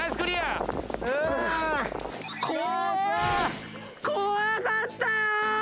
怖かった！